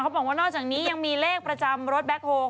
บอกว่านอกจากนี้ยังมีเลขประจำรถแบ็คโฮล